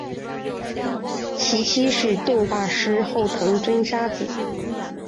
其妻是动画师后藤真砂子。